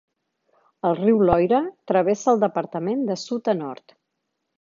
El riu Loira travessa el departament de sud a nord.